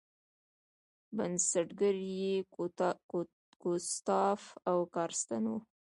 بنسټګر یې ګوسټاف ای کارستن و.